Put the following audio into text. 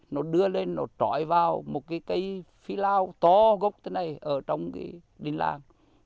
nó đưa lên nó trỏi vào một cái cây phí lao to gốc thế này ở trong cái đình làng